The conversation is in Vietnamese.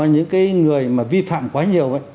những cái người mà vi phạm quá nhiều